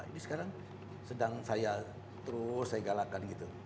ini sekarang sedang saya terus saya galakan gitu